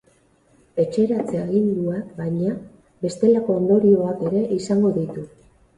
Etxeratze-aginduak, baina, bestelako ondorioak ere izango ditu.